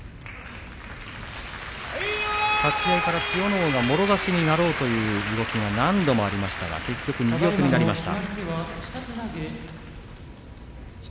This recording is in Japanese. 立ち合いから千代ノ皇がもろ差しになろうという場面が何度もありましたが最後結局右四つになりました。